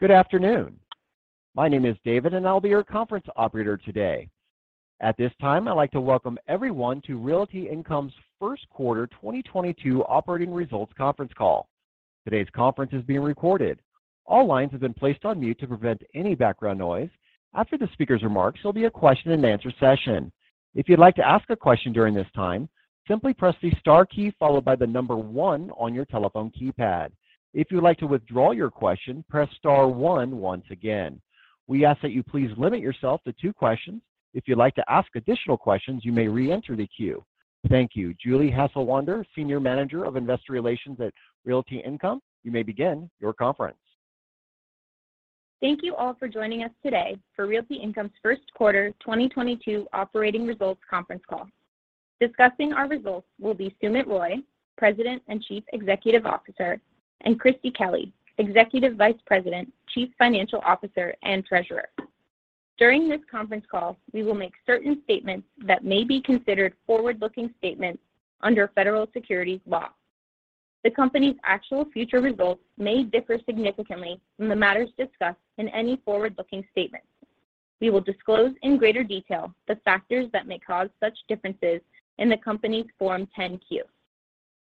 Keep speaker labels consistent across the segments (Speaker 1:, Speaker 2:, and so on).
Speaker 1: Good afternoon. My name is David, and I'll be your conference operator today. At this time, I'd like to welcome everyone to Realty Income's first quarter 2022 operating results conference call. Today's conference is being recorded. All lines have been placed on mute to prevent any background noise. After the speaker's remarks, there'll be a question-and-answer session. If you'd like to ask a question during this time, simply press the star key followed by the number one on your telephone keypad. If you'd like to withdraw your question, press star one once again. We ask that you please limit yourself to two questions. If you'd like to ask additional questions, you may re-enter the queue. Thank you. Julie Hasselwander, Senior Manager of Investor Relations at Realty Income, you may begin your conference.
Speaker 2: Thank you all for joining us today for Realty Income's first quarter 2022 operating results conference call. Discussing our results will be Sumit Roy, President and Chief Executive Officer, and Christie Kelly, Executive Vice President, Chief Financial Officer, and Treasurer. During this conference call, we will make certain statements that may be considered forward-looking statements under federal securities law. The company's actual future results may differ significantly from the matters discussed in any forward-looking statements. We will disclose in greater detail the factors that may cause such differences in the company's Form 10-Q.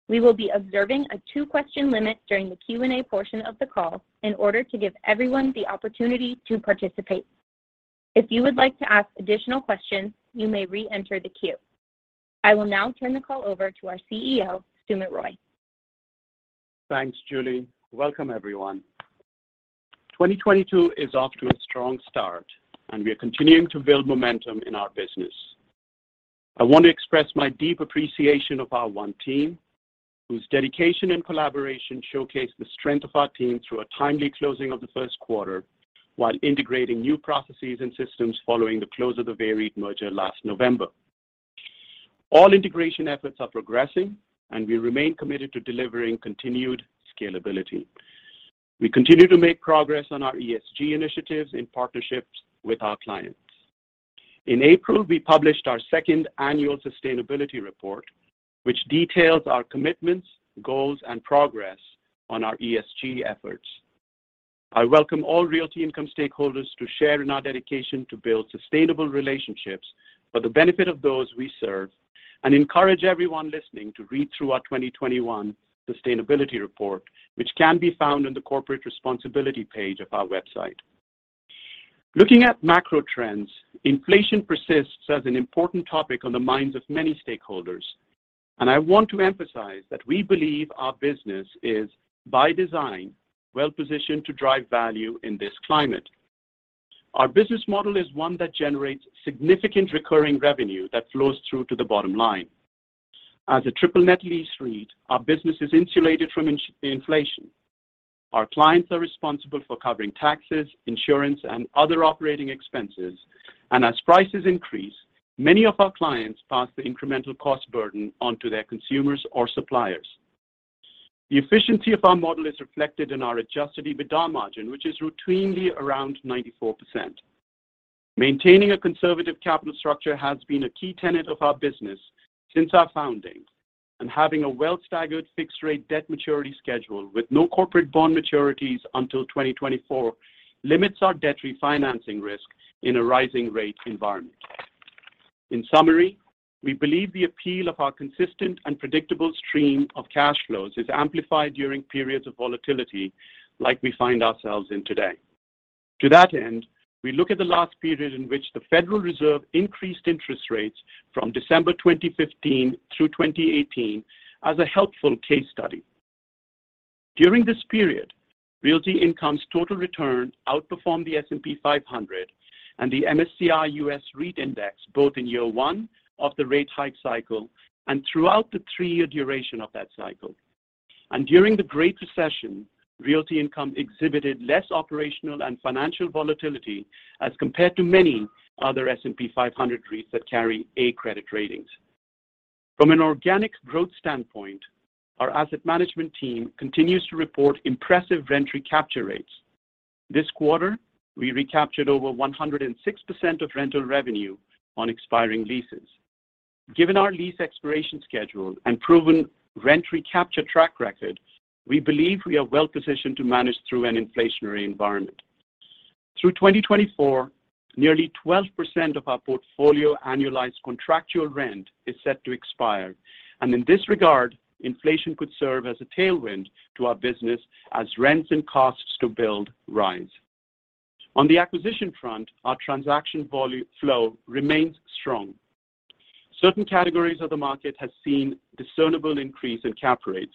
Speaker 2: We will be observing a 2-question limit during the Q&A portion of the call in order to give everyone the opportunity to participate. If you would like to ask additional questions, you may re-enter the queue. I will now turn the call over to our CEO, Sumit Roy.
Speaker 3: Thanks, Julie. Welcome, everyone. 2022 is off to a strong start, and we are continuing to build momentum in our business. I want to express my deep appreciation of our One Team, whose dedication and collaboration showcased the strength of our team through a timely closing of the first quarter while integrating new processes and systems following the close of the VEREIT merger last November. All integration efforts are progressing, and we remain committed to delivering continued scalability. We continue to make progress on our ESG initiatives in partnerships with our clients. In April, we published our second annual sustainability report, which details our commitments, goals, and progress on our ESG efforts. I welcome all Realty Income stakeholders to share in our dedication to build sustainable relationships for the benefit of those we serve and encourage everyone listening to read through our 2021 sustainability report, which can be found on the corporate responsibility page of our website. Looking at macro trends, inflation persists as an important topic on the minds of many stakeholders, and I want to emphasize that we believe our business is, by design, well-positioned to drive value in this climate. Our business model is one that generates significant recurring revenue that flows through to the bottom line. As a triple net lease REIT, our business is insulated from inflation. Our clients are responsible for covering taxes, insurance, and other operating expenses. As prices increase, many of our clients pass the incremental cost burden on to their consumers or suppliers. The efficiency of our model is reflected in our adjusted EBITDA margin, which is routinely around 94%. Maintaining a conservative capital structure has been a key tenet of our business since our founding, and having a well staggered fixed rate debt maturity schedule with no corporate bond maturities until 2024 limits our debt refinancing risk in a rising rate environment. In summary, we believe the appeal of our consistent and predictable stream of cash flows is amplified during periods of volatility like we find ourselves in today. To that end, we look at the last period in which the Federal Reserve increased interest rates from December 2015 through 2018 as a helpful case study. During this period, Realty Income's total return outperformed the S&P 500 and the MSCI US REIT Index both in year one of the rate hike cycle and throughout the three-year duration of that cycle. During the Great Recession, Realty Income exhibited less operational and financial volatility as compared to many other S&P 500 REITs that carry A credit ratings. From an organic growth standpoint, our asset management team continues to report impressive rent recapture rates. This quarter, we recaptured over 106% of rental revenue on expiring leases. Given our lease expiration schedule and proven rent recapture track record, we believe we are well positioned to manage through an inflationary environment. Through 2024, nearly 12% of our portfolio annualized contractual rent is set to expire. In this regard, inflation could serve as a tailwind to our business as rents and costs to build rise. On the acquisition front, our transaction flow remains strong. Certain categories of the market has seen discernible increase in cap rates,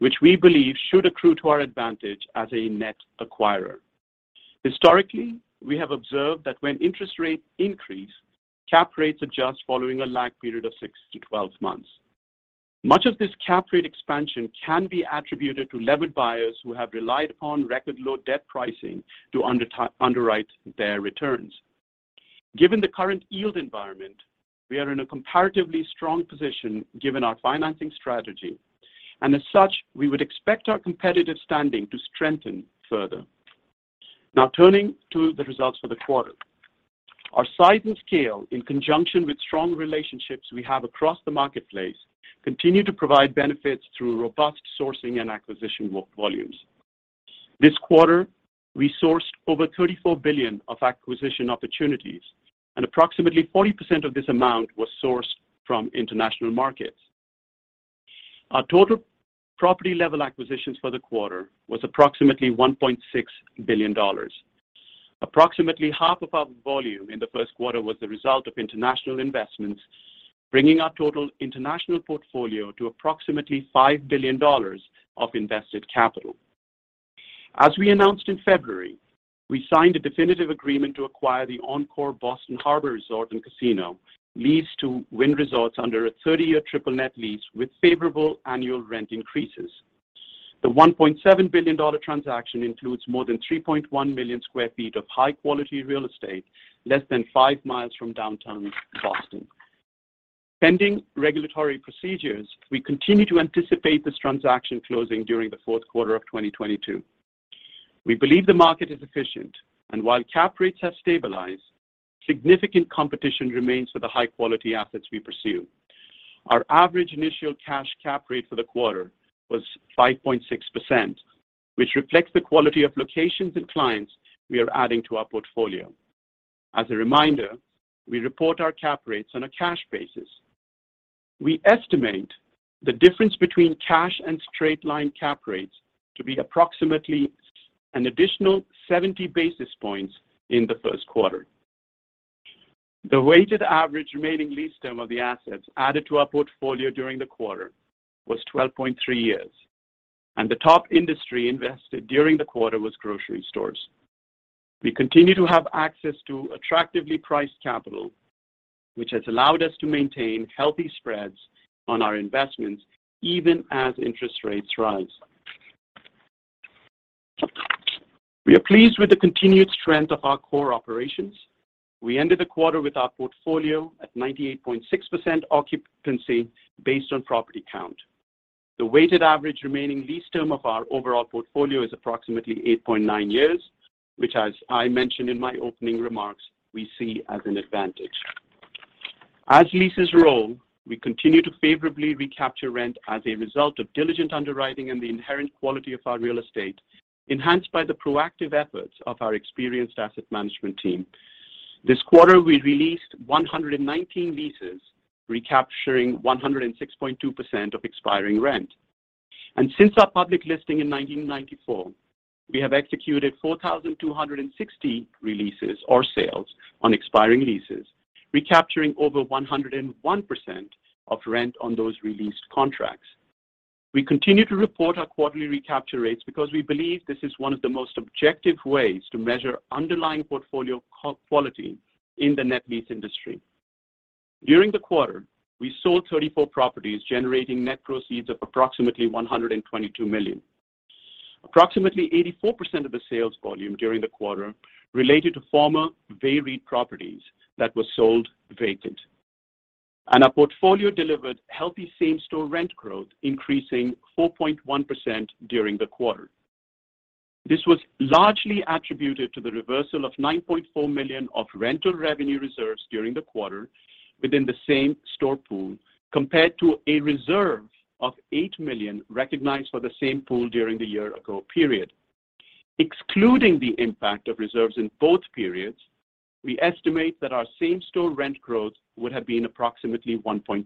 Speaker 3: which we believe should accrue to our advantage as a net acquirer. Historically, we have observed that when interest rates increase, cap rates adjust following a lag period of 6-12 months. Much of this cap rate expansion can be attributed to levered buyers who have relied upon record low debt pricing to underwrite their returns. Given the current yield environment, we are in a comparatively strong position given our financing strategy. As such, we would expect our competitive standing to strengthen further. Now turning to the results for the quarter. Our size and scale, in conjunction with strong relationships we have across the marketplace, continue to provide benefits through robust sourcing and acquisition volumes. This quarter, we sourced over $34 billion of acquisition opportunities, and approximately 40% of this amount was sourced from international markets. Our total property level acquisitions for the quarter was approximately $1.6 billion. Approximately half of our volume in the first quarter was the result of international investments, bringing our total international portfolio to approximately $5 billion of invested capital. As we announced in February, we signed a definitive agreement to acquire the Encore Boston Harbor Resort and Casino leased to Wynn Resorts under a 30-year triple net lease with favorable annual rent increases. The $1.7 billion transaction includes more than 3.1 million sq ft of high-quality real estate, less than 5 miles from downtown Boston. Pending regulatory procedures, we continue to anticipate this transaction closing during the fourth quarter of 2022. We believe the market is efficient, and while cap rates have stabilized, significant competition remains for the high quality assets we pursue. Our average initial cash cap rate for the quarter was 5.6%, which reflects the quality of locations and clients we are adding to our portfolio. As a reminder, we report our cap rates on a cash basis. We estimate the difference between cash and straight-line cap rates to be approximately an additional 70 basis points in the first quarter. The weighted average remaining lease term of the assets added to our portfolio during the quarter was 12.3 years, and the top industry invested during the quarter was grocery stores. We continue to have access to attractively priced capital, which has allowed us to maintain healthy spreads on our investments even as interest rates rise. We are pleased with the continued strength of our core operations. We ended the quarter with our portfolio at 98.6% occupancy based on property count. The weighted average remaining lease term of our overall portfolio is approximately 8.9 years, which, as I mentioned in my opening remarks, we see as an advantage. As leases roll, we continue to favorably recapture rent as a result of diligent underwriting and the inherent quality of our real estate, enhanced by the proactive efforts of our experienced asset management team. This quarter, we released 119 leases, recapturing 106.2% of expiring rent. Since our public listing in 1994, we have executed 4,260 releases or sales on expiring leases, recapturing over 101% of rent on those released contracts. We continue to report our quarterly recapture rates because we believe this is one of the most objective ways to measure underlying portfolio quality in the net lease industry. During the quarter, we sold 34 properties, generating net proceeds of approximately $122 million. Approximately 84% of the sales volume during the quarter related to former VEREIT properties that were sold vacant. Our portfolio delivered healthy same-store rent growth, increasing 4.1% during the quarter. This was largely attributed to the reversal of $9.4 million of rental revenue reserves during the quarter within the same store pool, compared to a reserve of $8 million recognized for the same pool during the year ago period. Excluding the impact of reserves in both periods, we estimate that our same-store rent growth would have been approximately 1.2%.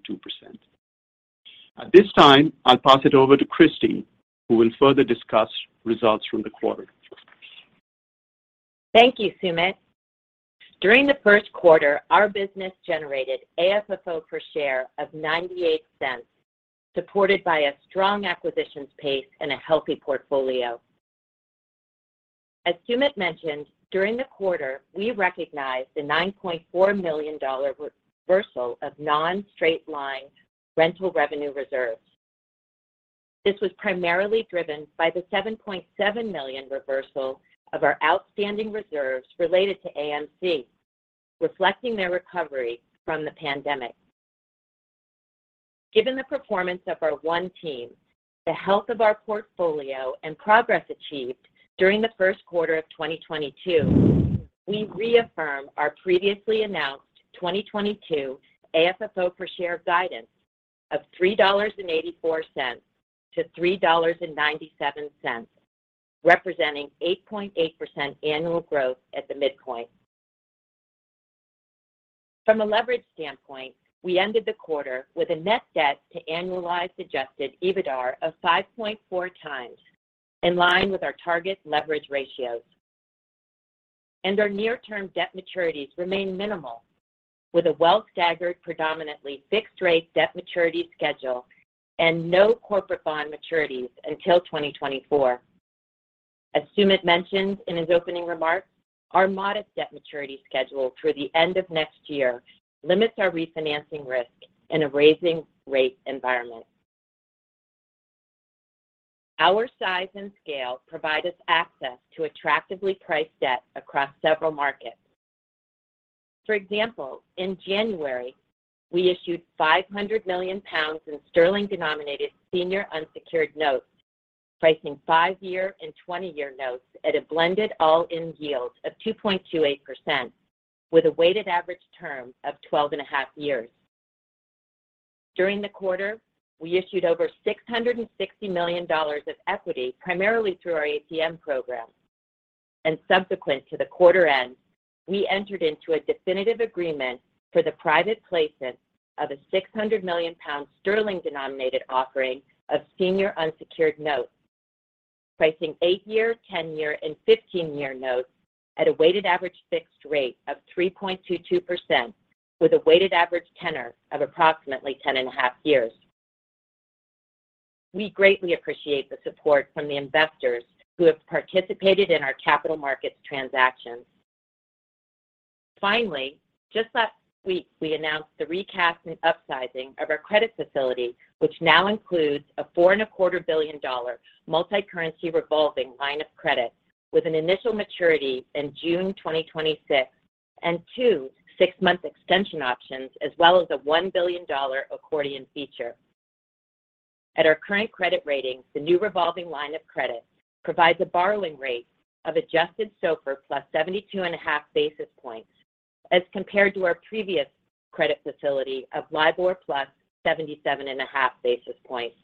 Speaker 3: At this time, I'll pass it over to Christie, who will further discuss results from the quarter.
Speaker 4: Thank you, Sumit. During the first quarter, our business generated AFFO per share of $0.98, supported by a strong acquisitions pace and a healthy portfolio. As Sumit mentioned, during the quarter, we recognized the $9.4 million re-reversal of non-straight-lined rental revenue reserves. This was primarily driven by the $7.7 million reversal of our outstanding reserves related to AMC, reflecting their recovery from the pandemic. Given the performance of our One Team, the health of our portfolio and progress achieved during the first quarter of 2022, we reaffirm our previously announced 2022 AFFO per share guidance of $3.84-$3.97, representing 8.8% annual growth at the midpoint. From a leverage standpoint, we ended the quarter with a net debt to annualized Adjusted EBITDAR of 5.4x, in line with our target leverage ratios. Our near-term debt maturities remain minimal with a well-staggered predominantly fixed-rate debt maturity schedule and no corporate bond maturities until 2024. As Sumit mentioned in his opening remarks, our modest debt maturity schedule through the end of next year limits our refinancing risk in a rising rate environment. Our size and scale provide us access to attractively priced debt across several markets. For example, in January, we issued 500 million pounds in sterling denominated senior unsecured notes, pricing 5-year and 20-year notes at a blended all-in yield of 2.28% with a weighted average term of 12.5 years. During the quarter, we issued over $660 million of equity, primarily through our ATM program. Subsequent to the quarter end, we entered into a definitive agreement for the private placement of a 600 million pound sterling denominated offering of senior unsecured notes, pricing 8-year, 10-year, and 15-year notes at a weighted average fixed rate of 3.22% with a weighted average tenor of approximately 10.5 years. We greatly appreciate the support from the investors who have participated in our capital markets transactions. Finally, just last week we announced the recast and upsizing of our credit facility, which now includes a $4.25 billion multi-currency revolving line of credit with an initial maturity in June 2026, and two 6-month extension options, as well as a $1 billion accordion feature. At our current credit ratings, the new revolving line of credit provides a borrowing rate of adjusted SOFR plus 72.5 basis points as compared to our previous credit facility of LIBOR plus 77.5 basis points.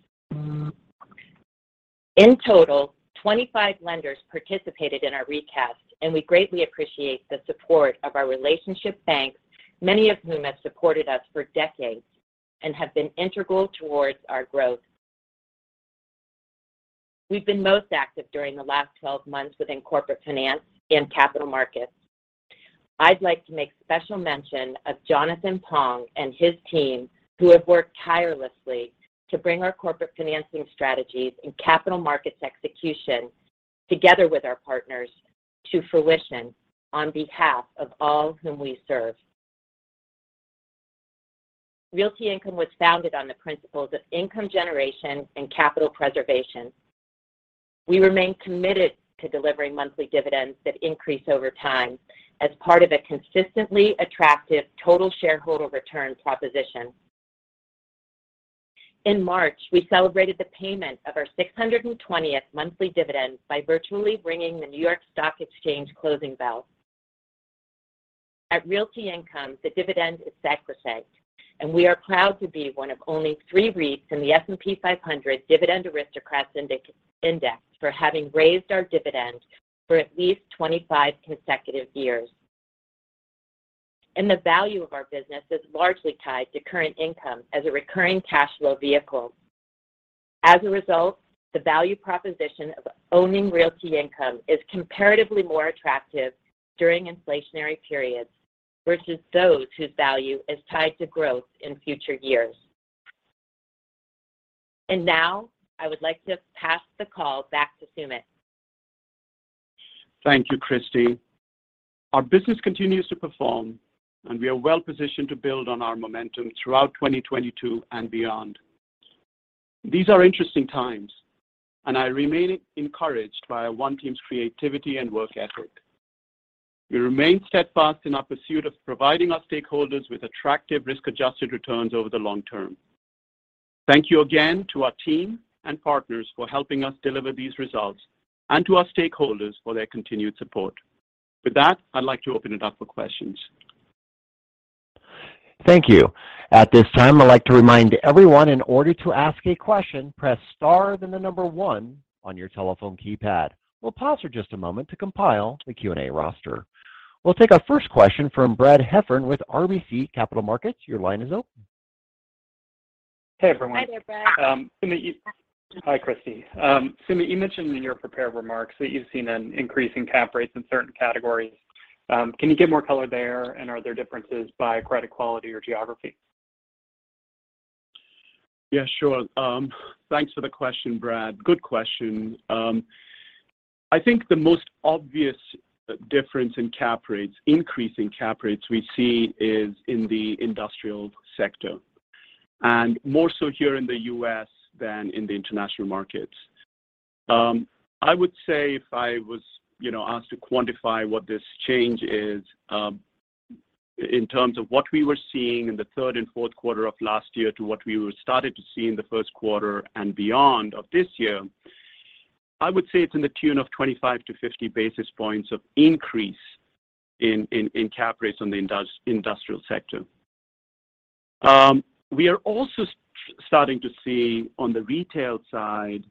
Speaker 4: In total, 25 lenders participated in our recast, and we greatly appreciate the support of our relationship banks, many of whom have supported us for decades and have been integral towards our growth. We've been most active during the last 12 months within corporate finance and capital markets. I'd like to make special mention of Jonathan Pong and his team who have worked tirelessly to bring our corporate financing strategies and capital markets execution together with our partners to fruition on behalf of all whom we serve. Realty Income was founded on the principles of income generation and capital preservation. We remain committed to delivering monthly dividends that increase over time as part of a consistently attractive total shareholder return proposition. In March, we celebrated the payment of our 620th monthly dividend by virtually ringing the New York Stock Exchange closing bell. At Realty Income, the dividend is sacrosanct, and we are proud to be one of only three REITs in the S&P 500 Dividend Aristocrats Index for having raised our dividend for at least 25 consecutive years. The value of our business is largely tied to current income as a recurring cash flow vehicle. As a result, the value proposition of owning Realty Income is comparatively more attractive during inflationary periods versus those whose value is tied to growth in future years. Now I would like to pass the call back to Sumit.
Speaker 3: Thank you, Christie. Our business continues to perform, and we are well positioned to build on our momentum throughout 2022 and beyond. These are interesting times, and I remain encouraged by our One Team's creativity and work effort. We remain steadfast in our pursuit of providing our stakeholders with attractive risk-adjusted returns over the long term. Thank you again to our team and partners for helping us deliver these results and to our stakeholders for their continued support. With that, I'd like to open it up for questions.
Speaker 1: Thank you. At this time, I'd like to remind everyone in order to ask a question, press star, then the number one on your telephone keypad. We'll pause for just a moment to compile the Q&A roster. We'll take our first question from Brad Heffern with RBC Capital Markets. Your line is open.
Speaker 5: Hey, everyone.
Speaker 4: Hi there, Brad.
Speaker 5: Sumit, Hi, Christie. Sumit, you mentioned in your prepared remarks that you've seen an increase in cap rates in certain categories. Can you give more color there, and are there differences by credit quality or geography?
Speaker 3: Yeah, sure. Thanks for the question, Brad. Good question. I think the most obvious difference in cap rates, increase in cap rates we see, is in the industrial sector, and more so here in the U.S. than in the international markets. I would say if I was, you know, asked to quantify what this change is, in terms of what we were seeing in the third and fourth quarter of last year to what we were starting to see in the first quarter and beyond of this year, I would say it's to the tune of 25-50 basis points of increase in cap rates on the industrial sector. We are also starting to see on the retail side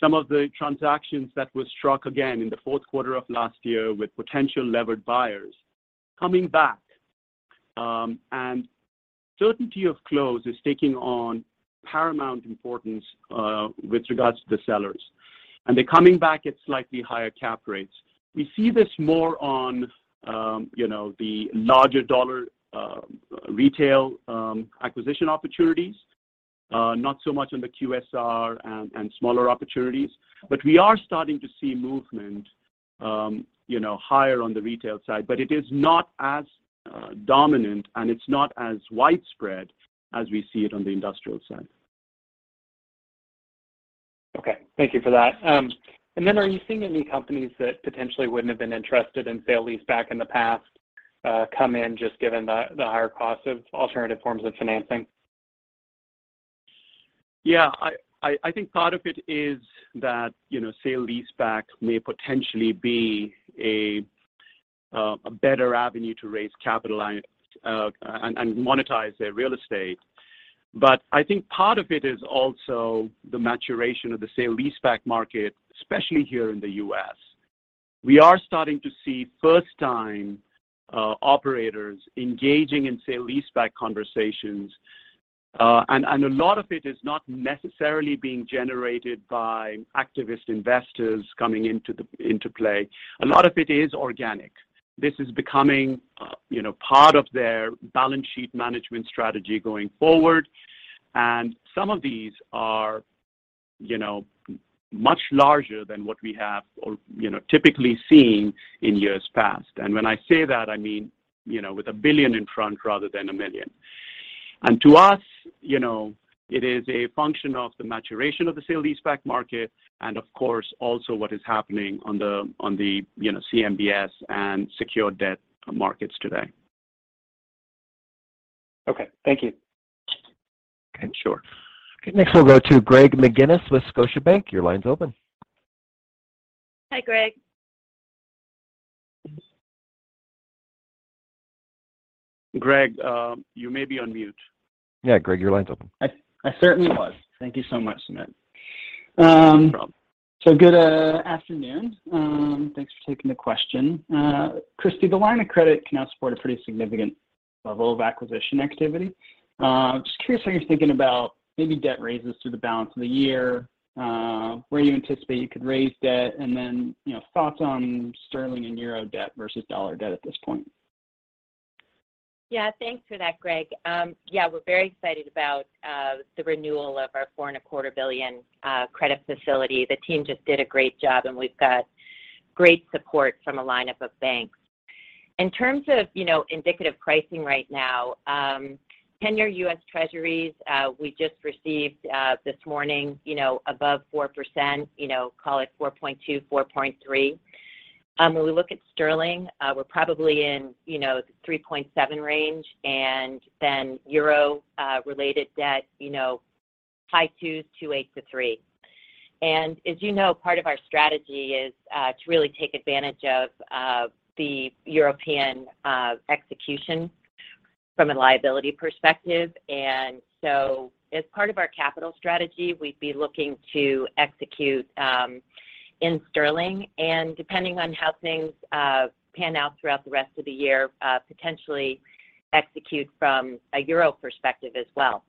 Speaker 3: some of the transactions that were struck again in the fourth quarter of last year with potential levered buyers coming back, and certainty of close is taking on paramount importance with regards to the sellers. They're coming back at slightly higher cap rates. We see this more on, you know, the larger dollar retail acquisition opportunities, not so much on the QSR and smaller opportunities. We are starting to see movement, you know, higher on the retail side, but it is not as dominant, and it's not as widespread as we see it on the industrial side.
Speaker 5: Okay. Thank you for that. Are you seeing any companies that potentially wouldn't have been interested in sale-leaseback in the past?
Speaker 1: Come in just given the higher cost of alternative forms of financing.
Speaker 3: Yeah. I think part of it is that, you know, sale-leaseback may potentially be a better avenue to raise capital and monetize their real estate. I think part of it is also the maturation of the sale-leaseback market, especially here in the U.S. We are starting to see first-time operators engaging in sale-leaseback conversations. A lot of it is not necessarily being generated by activist investors coming into play. A lot of it is organic. This is becoming, you know, part of their balance sheet management strategy going forward, and some of these are, you know, much larger than what we have or, you know, typically seen in years past. When I say that, I mean, you know, with $1 billion in front rather than $1 million. To us, you know, it is a function of the maturation of the sale-leaseback market and of course also what is happening on the you know, CMBS and secure debt markets today.
Speaker 1: Okay. Thank you.
Speaker 3: Okay. Sure.
Speaker 1: Okay. Next we'll go to Greg McGinniss with Scotiabank. Your line's open.
Speaker 4: Hi, Greg.
Speaker 3: Greg, you may be on mute.
Speaker 1: Yeah. Greg, your line's open.
Speaker 6: I certainly was. Thank you so much, Sumit.
Speaker 3: No problem.
Speaker 6: Good afternoon. Thanks for taking the question. Christie, the line of credit can now support a pretty significant level of acquisition activity. Just curious how you're thinking about maybe debt raises through the balance of the year, where you anticipate you could raise debt, and then, you know, thoughts on sterling and euro debt versus dollar debt at this point.
Speaker 4: Yeah. Thanks for that, Greg. Yeah, we're very excited about the renewal of our $4.25 billion credit facility. The team just did a great job, and we've got great support from a lineup of banks. In terms of, you know, indicative pricing right now, ten-year US Treasuries we just received this morning, you know, above 4%, you know, call it 4.2%-4.3%. When we look at sterling, we're probably in, you know, the 3.7% range, and then euro related debt, you know, high twos, 2.8%-3%. As you know, part of our strategy is to really take advantage of the European execution from a liability perspective. As part of our capital strategy, we'd be looking to execute in sterling, and depending on how things pan out throughout the rest of the year, potentially execute from a euro perspective as well.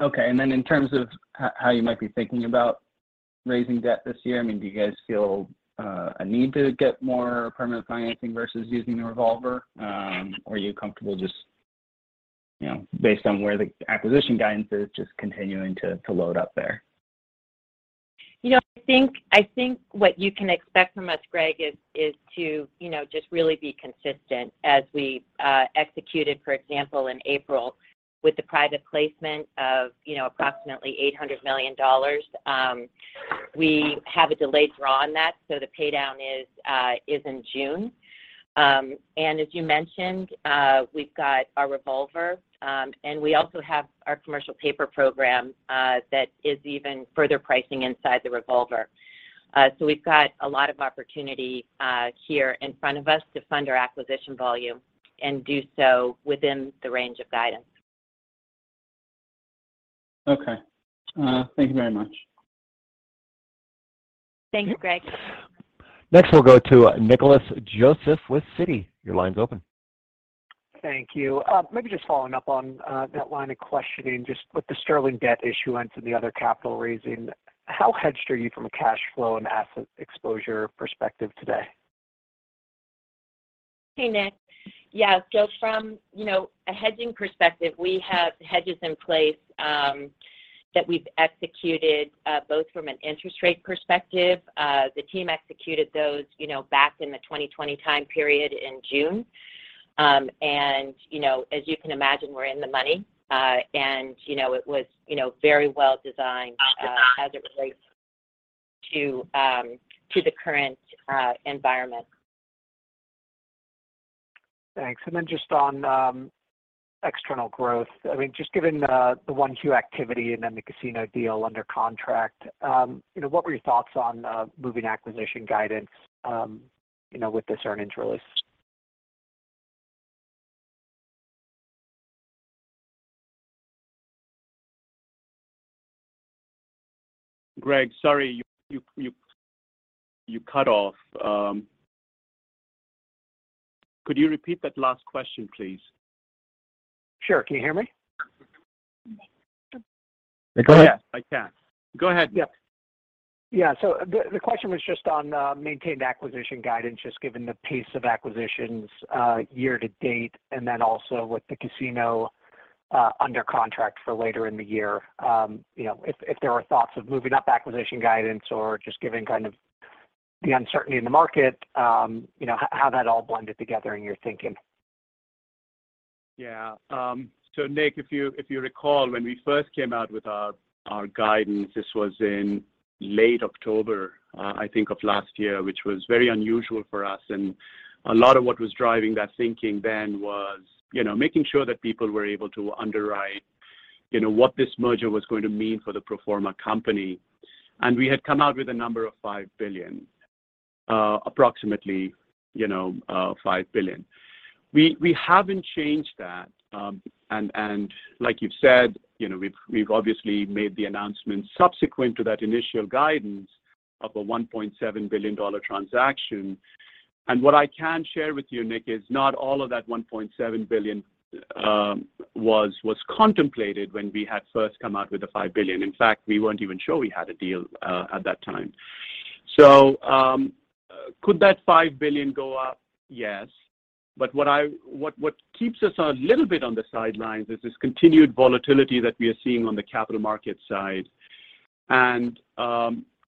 Speaker 6: Okay. In terms of how you might be thinking about raising debt this year, I mean, do you guys feel a need to get more permanent financing versus using the revolver? Or are you comfortable just, you know, based on where the acquisition guidance is, just continuing to load up there?
Speaker 4: You know, I think what you can expect from us, Greg, is to just really be consistent as we executed, for example, in April with the private placement of approximately $800 million. We have a delayed draw on that, so the pay down is in June. As you mentioned, we've got our revolver, and we also have our commercial paper program that is even further pricing inside the revolver. So we've got a lot of opportunity here in front of us to fund our acquisition volume and do so within the range of guidance.
Speaker 6: Okay. Thank you very much.
Speaker 4: Thanks, Greg.
Speaker 1: Next we'll go to Nicholas Joseph with Citi. Your line's open.
Speaker 7: Thank you. Maybe just following up on that line of questioning, just with the sterling debt issuance and the other capital raising, how hedged are you from a cash flow and asset exposure perspective today?
Speaker 4: Hey, Nick. Yeah. From, you know, a hedging perspective, we have hedges in place that we've executed both from an interest rate perspective. The team executed those, you know, back in the 2020 time period in June. You know, as you can imagine, we're in the money. You know, it was, you know, very well designed as it relates to the current environment.
Speaker 7: Thanks. Just on external growth. I mean, just given the 1Q activity and then the casino deal under contract, you know, what were your thoughts on moving acquisition guidance, you know, with this earnings release?
Speaker 3: Greg, sorry, you cut off. Could you repeat that last question, please?
Speaker 7: Sure. Can you hear me?
Speaker 1: Go ahead.
Speaker 3: I can. Go ahead.
Speaker 7: The question was just on maintained acquisition guidance, just given the pace of acquisitions year to date, and then also with the casino under contract for later in the year. You know, if there were thoughts of moving up acquisition guidance or just giving kind of the uncertainty in the market, you know, how that all blended together in your thinking.
Speaker 3: Yeah. So Nick, if you recall, when we first came out with our guidance, this was in late October, I think of last year, which was very unusual for us. A lot of what was driving that thinking then was, you know, making sure that people were able to underwrite, you know, what this merger was going to mean for the pro forma company. We had come out with a number of $5 billion, approximately, you know, $5 billion. We haven't changed that. Like you've said, you know, we've obviously made the announcement subsequent to that initial guidance of a $1.7 billion transaction. What I can share with you, Nick, is not all of that $1.7 billion was contemplated when we had first come out with the $5 billion. In fact, we weren't even sure we had a deal at that time. Could that $5 billion go up? Yes. What keeps us a little bit on the sidelines is this continued volatility that we are seeing on the capital market side.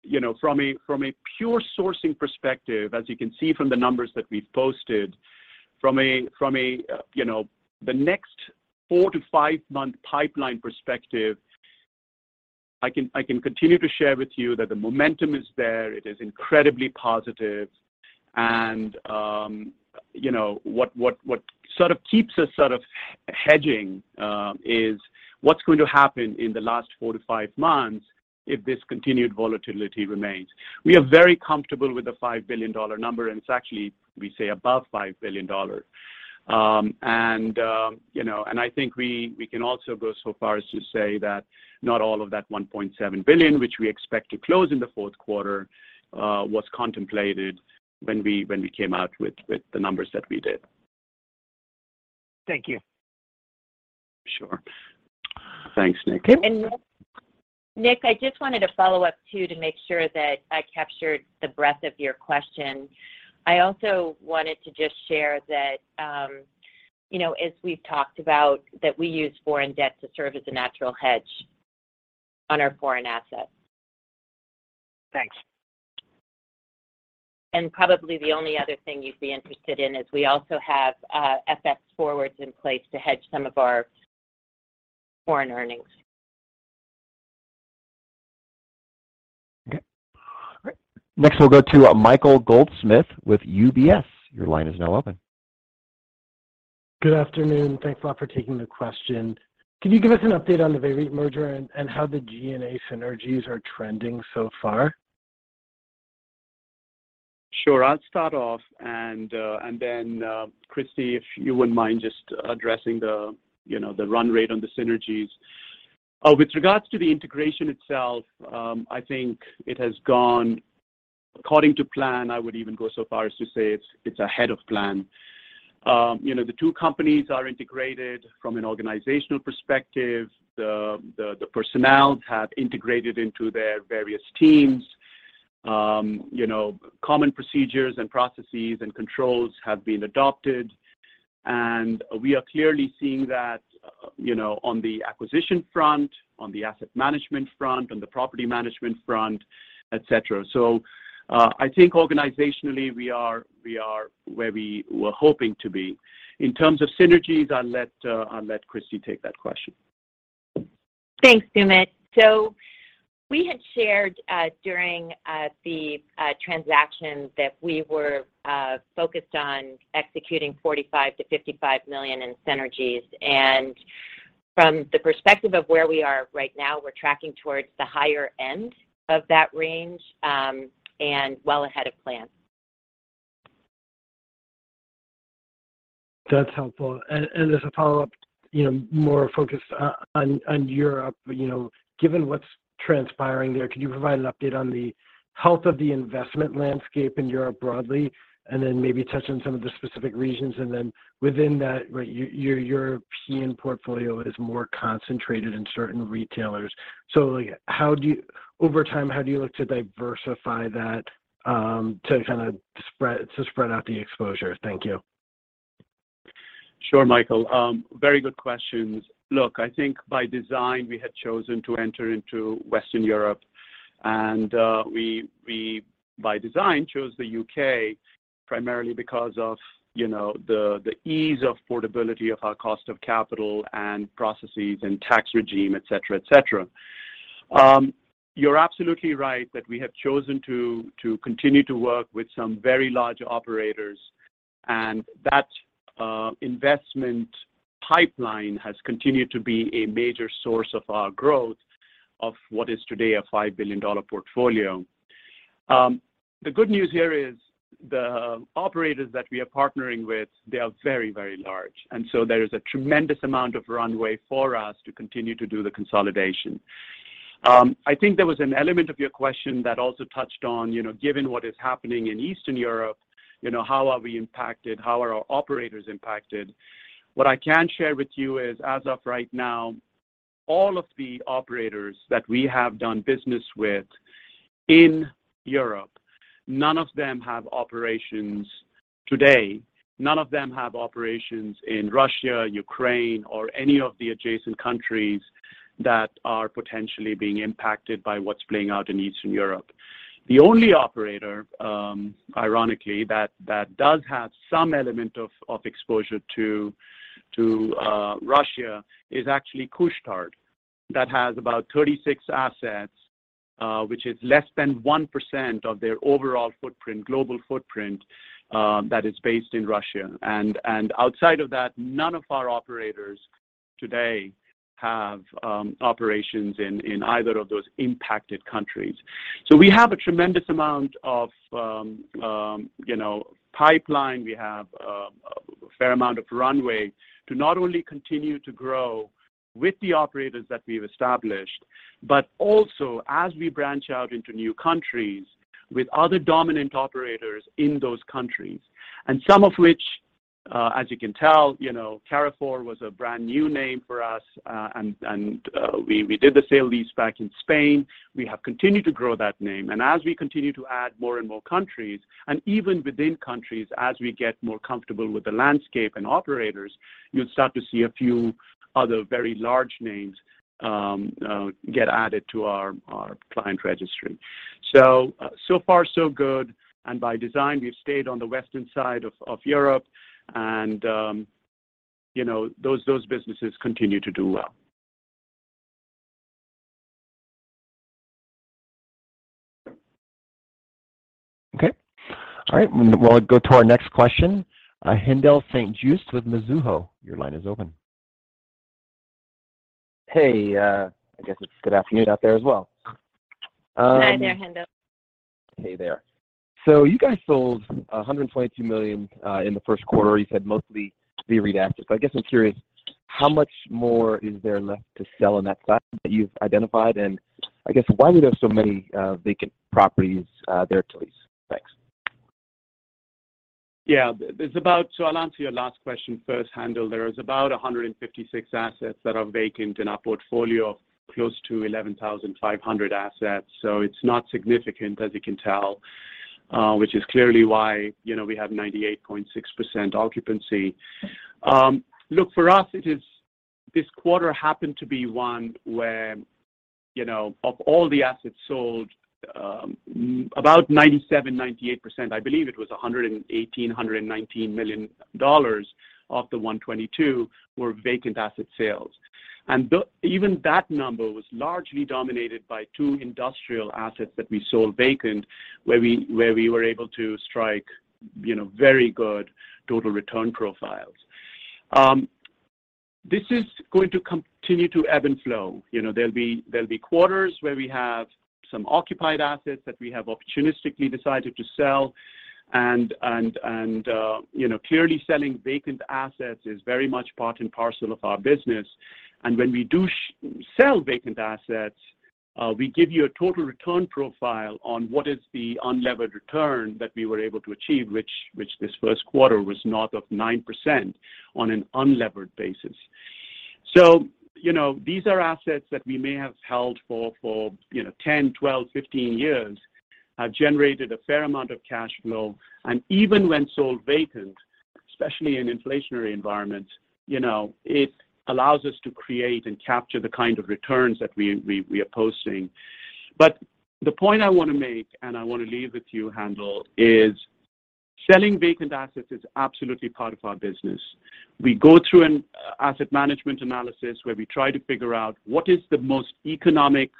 Speaker 3: You know, from a pure sourcing perspective, as you can see from the numbers that we've posted, from a you know the next 4- to 5-month pipeline perspective, I can continue to share with you that the momentum is there. It is incredibly positive and, you know, what sort of keeps us sort of hedging is what's going to happen in the last four to five months if this continued volatility remains. We are very comfortable with the $5 billion number, and it's actually, we say above $5 billion. I think we can also go so far as to say that not all of that $1.7 billion, which we expect to close in the fourth quarter, was contemplated when we came out with the numbers that we did.
Speaker 1: Thank you.
Speaker 3: Sure. Thanks, Nick.
Speaker 4: Nick, I just wanted to follow up too to make sure that I captured the breadth of your question. I also wanted to just share that, you know, as we've talked about, that we use foreign debt to serve as a natural hedge on our foreign assets.
Speaker 1: Thanks.
Speaker 4: Probably the only other thing you'd be interested in is we also have FX forwards in place to hedge some of our foreign earnings.
Speaker 3: Okay.
Speaker 1: Next, we'll go to Michael Goldsmith with UBS. Your line is now open.
Speaker 8: Good afternoon. Thanks a lot for taking the question. Can you give us an update on the VEREIT merger and how the G&A synergies are trending so far?
Speaker 3: Sure. I'll start off and then, Christie, if you wouldn't mind just addressing the, you know, the run rate on the synergies. With regards to the integration itself, I think it has gone according to plan. I would even go so far as to say it's ahead of plan. You know, the two companies are integrated from an organizational perspective. The personnel have integrated into their various teams. You know, common procedures and processes and controls have been adopted, and we are clearly seeing that, you know, on the acquisition front, on the asset management front, on the property management front, et cetera. I think organizationally we are where we were hoping to be. In terms of synergies, I'll let Christie take that question.
Speaker 4: Thanks, Sumit. We had shared during the transaction that we were focused on executing $45 million-$55 million in synergies. From the perspective of where we are right now, we're tracking towards the higher end of that range, and well ahead of plan.
Speaker 8: That's helpful. As a follow-up, you know, more focused on Europe, you know. Given what's transpiring there, can you provide an update on the health of the investment landscape in Europe broadly, and then maybe touch on some of the specific regions? Then within that, right, your European portfolio is more concentrated in certain retailers. Like how do you over time look to diversify that, to kind of spread out the exposure? Thank you.
Speaker 3: Sure, Michael. Very good questions. Look, I think by design, we had chosen to enter into Western Europe. We by design chose the UK primarily because of, you know, the ease of portability of our cost of capital and processes and tax regime, et cetera, et cetera. You're absolutely right that we have chosen to continue to work with some very large operators, and that investment pipeline has continued to be a major source of our growth of what is today a $5 billion portfolio. The good news here is the operators that we are partnering with, they are very, very large, and so there is a tremendous amount of runway for us to continue to do the consolidation. I think there was an element of your question that also touched on, you know, given what is happening in Eastern Europe, you know, how are we impacted, how are our operators impacted? What I can share with you is, as of right now, all of the operators that we have done business with in Europe, none of them have operations today. None of them have operations in Russia, Ukraine, or any of the adjacent countries that are potentially being impacted by what's playing out in Eastern Europe. The only operator, ironically, that does have some element of exposure to Russia is actually Couche-Tard. That has about 36 assets, which is less than 1% of their overall footprint, global footprint, that is based in Russia. Outside of that, none of our operators today have operations in either of those impacted countries. We have a tremendous amount of, you know, pipeline. We have a fair amount of runway to not only continue to grow with the operators that we've established, but also as we branch out into new countries with other dominant operators in those countries. Some of which, as you can tell, you know, Carrefour was a brand-new name for us, and we did the sale-leaseback in Spain. We have continued to grow that name. As we continue to add more and more countries, and even within countries as we get more comfortable with the landscape and operators, you'll start to see a few other very large names get added to our client registry. So far so good, and by design, we've stayed on the western side of Europe and, you know, those businesses continue to do well.
Speaker 1: Okay. All right. We'll go to our next question. Haendel St. Juste with Mizuho. Your line is open.
Speaker 9: Hey. I guess it's good afternoon out there as well.
Speaker 3: Hi there, Haendel.
Speaker 9: Hey there. You guys sold $122 million in the first quarter. You said mostly to be redeveloped. I guess I'm curious, how much more is there left to sell on that side that you've identified? I guess why do you have so many vacant properties there to lease? Thanks.
Speaker 3: Yeah. It's about. I'll answer your last question first, Haendel. There is about 156 assets that are vacant in our portfolio of close to 11,500 assets. It's not significant, as you can tell, which is clearly why, you know, we have 98.6% occupancy. Look, for us it is. This quarter happened to be one where, you know, of all the assets sold, about 97%-98%, I believe it was $118-$119 million of the $122 million were vacant asset sales. Even that number was largely dominated by two industrial assets that we sold vacant, where we were able to strike, you know, very good total return profiles. This is going to continue to ebb and flow. You know, there'll be quarters where we have some occupied assets that we have opportunistically decided to sell and, you know, clearly selling vacant assets is very much part and parcel of our business. When we do sell vacant assets, we give you a total return profile on what is the unlevered return that we were able to achieve, which this first quarter was north of 9% on an unlevered basis. You know, these are assets that we may have held for, you know, 10, 12, 15 years, generated a fair amount of cash flow, and even when sold vacant, especially in inflationary environments, you know, it allows us to create and capture the kind of returns that we are posting. The point I want to make, and I want to leave with you, Haendel, is selling vacant assets is absolutely part of our business. We go through an asset management analysis where we try to figure out what is the most economic,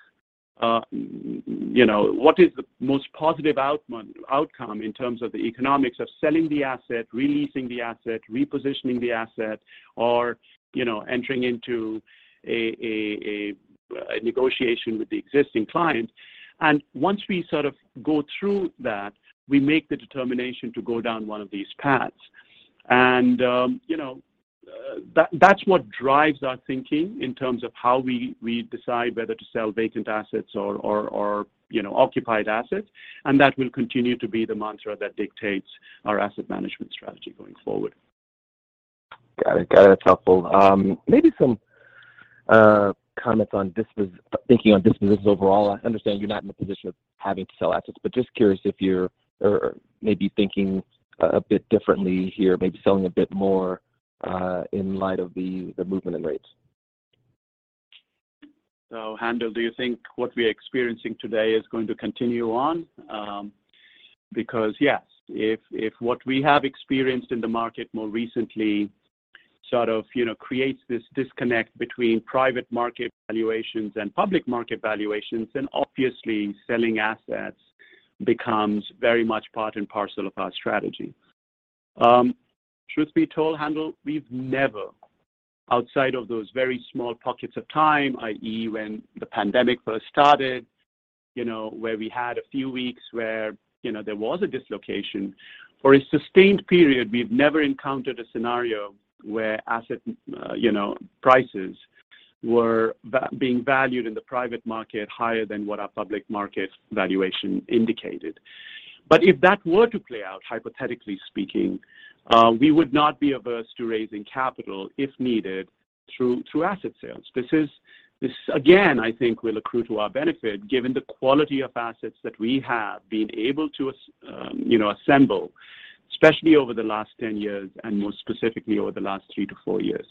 Speaker 3: you know, what is the most positive outcome in terms of the economics of selling the asset, re-leasing the asset, repositioning the asset, or, you know, entering into a negotiation with the existing client. Once we sort of go through that, we make the determination to go down one of these paths. You know, that's what drives our thinking in terms of how we decide whether to sell vacant assets or, you know, occupied assets. That will continue to be the mantra that dictates our asset management strategy going forward.
Speaker 9: Got it. That's helpful. Maybe some comments on thinking on disposals overall. I understand you're not in a position of having to sell assets, but just curious if you're or maybe thinking a bit differently here, maybe selling a bit more in light of the movement in rates.
Speaker 3: Haendel, do you think what we're experiencing today is going to continue on? Because, yes, if what we have experienced in the market more recently sort of, you know, creates this disconnect between private market valuations and public market valuations, then obviously selling assets becomes very much part and parcel of our strategy. Truth be told, Haendel, we've never, outside of those very small pockets of time, i.e., when the pandemic first started, you know, where we had a few weeks where, you know, there was a dislocation. For a sustained period, we've never encountered a scenario where asset, you know, prices were being valued in the private market higher than what our public market valuation indicated. But if that were to play out, hypothetically speaking, we would not be averse to raising capital if needed through asset sales. This again, I think will accrue to our benefit given the quality of assets that we have been able to assemble. Especially over the last 10 years, and more specifically over the last 3-4 years.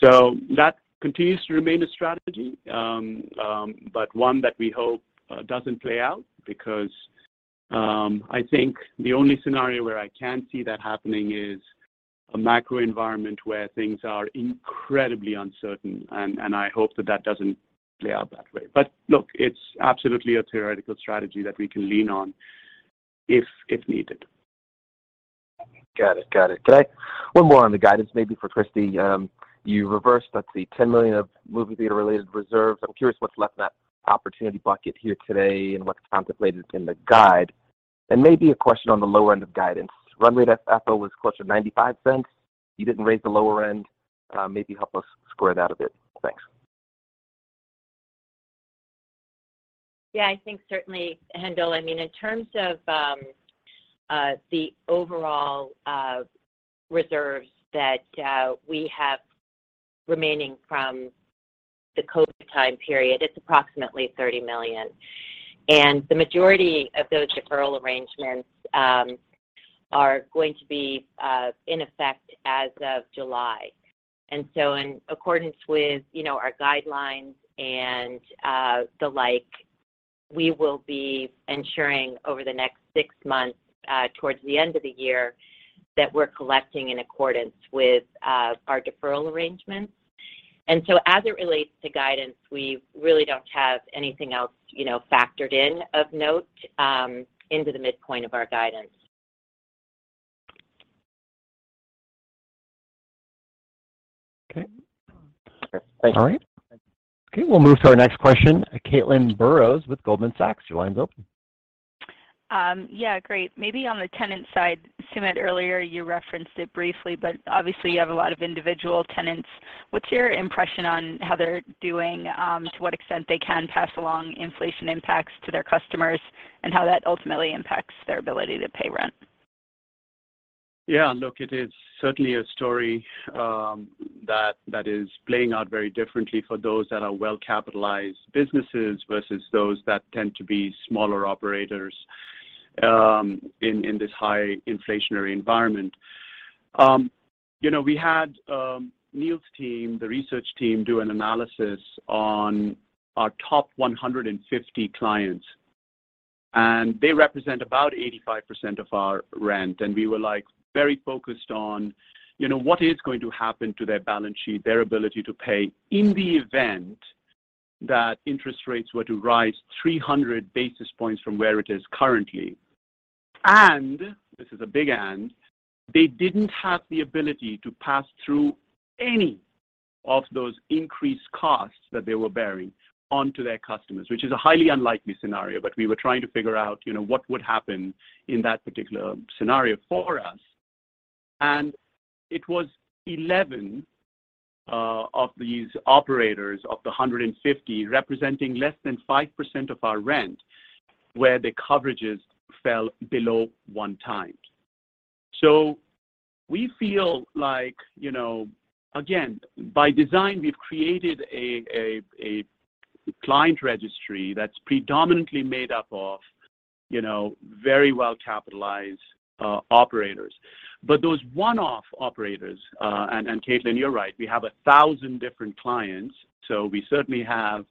Speaker 3: That continues to remain a strategy, but one that we hope doesn't play out because I think the only scenario where I can see that happening is a macro environment where things are incredibly uncertain. I hope that doesn't play out that way. Look, it's absolutely a theoretical strategy that we can lean on if needed.
Speaker 9: Got it. Could I one more on the guidance maybe for Christy. You reversed, let's see, $10 million of movie theater-related reserves. I'm curious what's left in that opportunity bucket here today and what's contemplated in the guide. Maybe a question on the lower end of guidance. Run rate FFO was closer to $0.95. You didn't raise the lower end. Maybe help us square that a bit. Thanks.
Speaker 4: Yeah, I think certainly, Haendel. I mean, in terms of the overall reserves that we have remaining from the COVID time period, it's approximately $30 million. The majority of those deferral arrangements are going to be in effect as of July. In accordance with, you know, our guidelines and the like, we will be ensuring over the next six months towards the end of the year that we're collecting in accordance with our deferral arrangements. As it relates to guidance, we really don't have anything else, you know, factored in of note into the midpoint of our guidance.
Speaker 3: Okay.
Speaker 9: Sure. Thank you.
Speaker 1: All right. Okay, we'll move to our next question. Caitlin Burrows with Goldman Sachs, your line's open.
Speaker 10: Yeah, great. Maybe on the tenant side, Sumit, earlier you referenced it briefly, but obviously you have a lot of individual tenants. What's your impression on how they're doing, to what extent they can pass along inflation impacts to their customers and how that ultimately impacts their ability to pay rent?
Speaker 3: Yeah, look, it is certainly a story that is playing out very differently for those that are well-capitalized businesses versus those that tend to be smaller operators in this high inflationary environment. You know, we had Neil's team, the research team, do an analysis on our top 150 clients, and they represent about 85% of our rent. We were, like, very focused on, you know, what is going to happen to their balance sheet, their ability to pay in the event that interest rates were to rise 300 basis points from where it is currently. This is a big. They didn't have the ability to pass through any of those increased costs that they were bearing onto their customers, which is a highly unlikely scenario. We were trying to figure out, you know, what would happen in that particular scenario for us. It was 11 of these operators of the 150 representing less than 5% of our rent, where the coverages fell below 1x. We feel like, you know, again, by design, we've created a client registry that's predominantly made up of, you know, very well-capitalized operators. Those one-off operators, and Caitlin, you're right, we have 1,000 different clients, so we certainly have